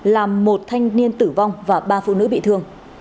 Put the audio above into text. làm một thanh niên tử vong và ba phụ nữ bị thương